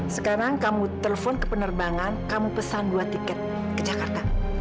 sekarang kamu telpon ke penerbangan kamu pesan dua tiket ke jakarta